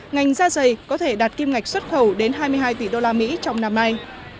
ngành da dày có thể đạt kim ngạch xuất khẩu đến hai mươi hai tỷ usd trong năm nay